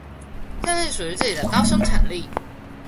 建立屬於自己的高生產力